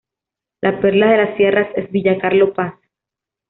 La perla de las sierras es Villa Carlos Paz.